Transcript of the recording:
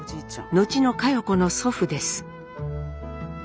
後の佳代子の祖父です。